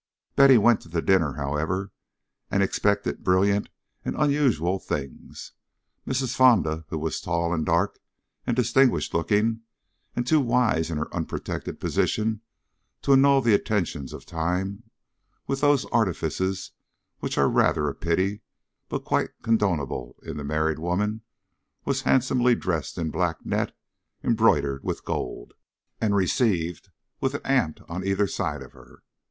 Betty went to the dinner, however, and expected brilliant and unusual things. Mrs. Fonda, who was tall and dark and distinguished looking, and too wise in her unprotected position to annul the attentions of Time with those artifices which are rather a pity but quite condonable in the married woman, was handsomely dressed in black net embroidered with gold, and received with an aunt on either side of her.